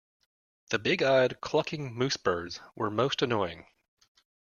The big-eyed, clucking moose-birds were most annoying.